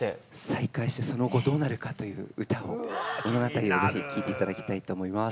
再会してその後どうなるかという歌を物語を是非聴いて頂きたいと思います。